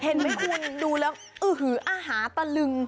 เห็นไหมคุณดูแล้วอื้อหืออาหารตะลึง